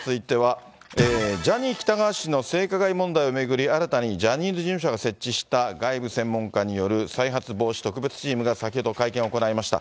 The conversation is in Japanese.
さあ続いては、ジャニー喜多川氏の性加害問題を巡り、新たにジャニーズ事務所が設置した外部専門家による再発防止特別チームが、先ほど会見を行いました。